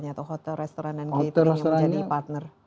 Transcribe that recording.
atau hotel restoran yang menjadi partner